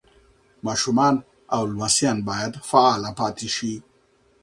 ماشومان او لمسیان باید فعاله پاتې شي.